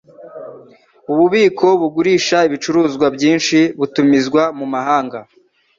Ububiko bugurisha ibicuruzwa byinshi bitumizwa mu mahanga.